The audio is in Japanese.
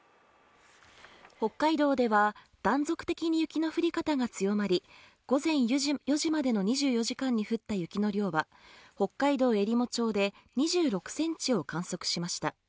北海道では断続的に雪の降り方が強まり午前４時までの２４時間に降った雪の量は北海道えりも町で２６ｃｍを観測しました。